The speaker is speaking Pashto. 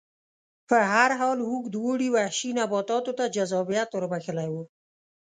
په هر حال اوږد اوړي وحشي نباتاتو ته جذابیت ور بخښلی و